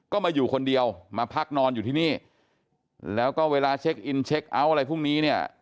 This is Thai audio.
ก็มาอยู่คนเดียวมาพักนอนอยู่ที่นี่แล้วก็เวลาเช็คอินเช็คเอาท์อะไรพวกนี้เนี่ย